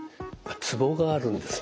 ツボがあるんですね。